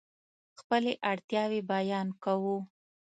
خپلې اړتیاوې بیان کوو.